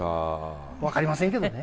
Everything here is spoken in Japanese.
分かりませんけどね。